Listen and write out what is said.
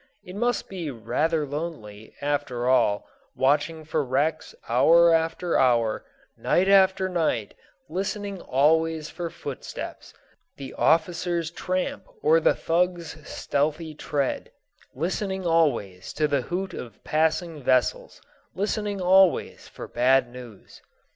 It must be rather lonely, after all, watching for wrecks hour after hour, night after night, listening always for footsteps (the officer's tramp or the thug's stealthy tread), listening always to the hoot of passing vessels, listening always for bad news.